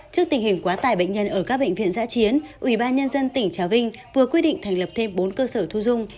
trước tình hình quá tải bệnh nhân ở các bệnh viện giã chiến ủy ban nhân dân tỉnh trà vinh vừa quyết định thành lập thêm bốn cơ sở thu dung